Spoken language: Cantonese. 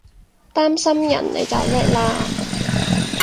擔心人你就叻喇！